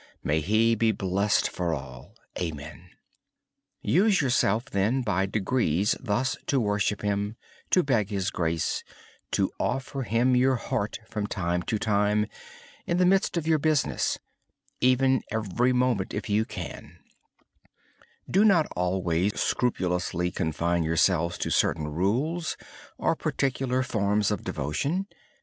May He be blessed by all. Gradually become accustomed to worship Him in this way; to beg His grace, to offer Him your heart from time to time; in the midst of your business, even every moment if you can. Do not always scrupulously confine yourself to certain rules or particular forms of devotion.